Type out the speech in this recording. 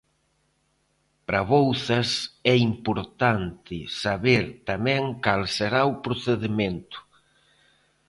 Para Bouzas é importante saber tamén cal será o procedemento.